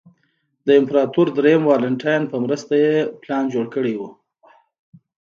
د امپراتور درېیم والنټیناین په مرسته یې پلان جوړ کړی و